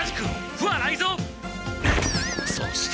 そして。